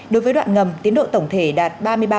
đối với đoạn ngầm tiến độ tổng thể đạt ba mươi ba